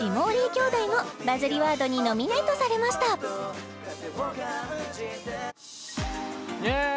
兄弟もバズりワードにノミネートされましたイエーイ！